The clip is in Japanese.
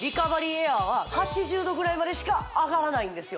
エアーは８０℃ぐらいまでしか上がらないんですよ